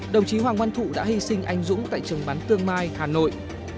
đồng chí hoàng oanh thụ đã hy sinh anh dũng tại trường bán tương mai hà nội